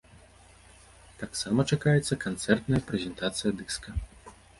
Таксама чакаецца канцэртная прэзентацыя дыска.